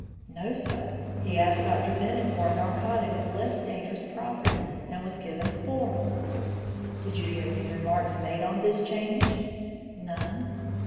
"No, sir. He asked Dr. Bennett for a narcotic of less dangerous properties, and was given chloral." "Did you hear any remarks made on this change?" "None."